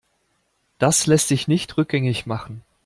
Das lässt sich nicht rückgängig machen.